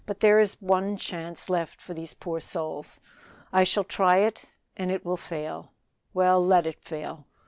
"There is but one chance left for these poor souls. I shall try it, and it will fail. Well! let it fail!